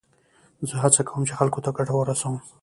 زه هڅه کوم، چي خلکو ته ګټه ورسوم.